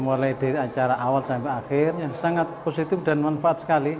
mulai dari acara awal sampai akhir yang sangat positif dan manfaat sekali